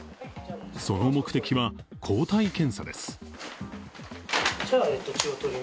その目的は抗体検査です。